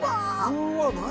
うわっ何？